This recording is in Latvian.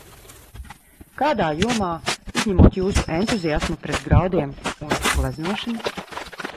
Kādā jomā, izņemot jūsu entuziasmu pret graudiem un gleznošanu?